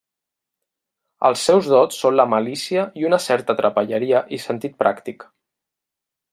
Els seus dots són la malícia i una certa trapelleria i sentit pràctic.